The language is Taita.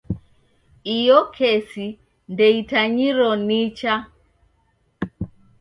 Iyo kesi ndeitanyiro nicha.